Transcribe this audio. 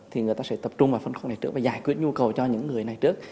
thì người ta sẽ tập trung vào phân khúc này trước và giải quyết nhu cầu cho những người này trước